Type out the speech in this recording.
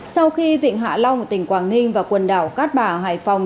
sau khi vịnh hạ long tỉnh quảng ninh và quần đảo cát bà hải phòng